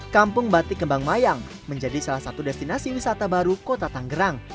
kampung batik kembang mayang menjadi salah satu destinasi wisata baru kota tanggerang